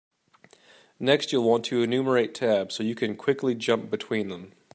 Next, you'll want to enumerate tabs so you can quickly jump between them.